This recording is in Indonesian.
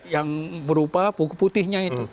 yang berupa buku putihnya itu